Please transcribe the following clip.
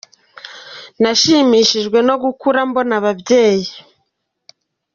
Nahsimishijwe no gukura mbona ababyeyi.